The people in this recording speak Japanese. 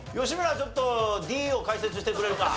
ちょっとＤを解説してくれるか？